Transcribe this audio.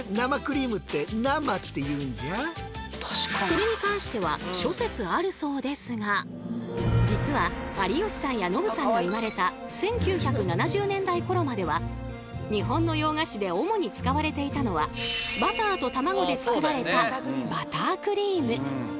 それに関しては実は有吉さんやノブさんが生まれた１９７０年代ころまでは日本の洋菓子で主に使われていたのはバターと卵で作られたバタークリーム。